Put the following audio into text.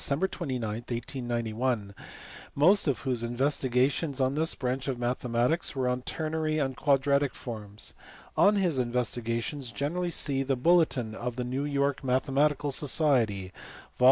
29, 1891, most of whose investigations on this branch of mathematics were on ternary and quadratic forms : on his investigations generally see the Bulletin of the New York Mathematical Society, vol.